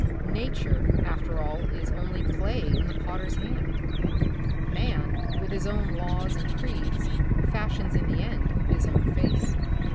Nature, after all, is only clay in the potter's hand. Man, with his laws and creeds, fashions in the end his own face.